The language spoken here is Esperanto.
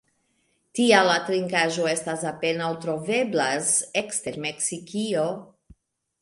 Tial la trinkaĵo estas apenaŭ troveblas ekster Meksikio.